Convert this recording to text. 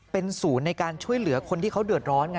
เป็นศูนย์ในการช่วยเหลือคนที่เขาเดือดร้อนไง